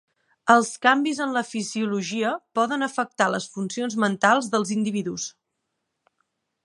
Els canvis en la fisiologia poden afectar les funcions mentals dels individus.